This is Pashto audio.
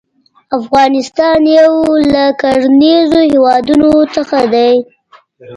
افغانستان يو له کرنيزو هيوادونو څخه دى.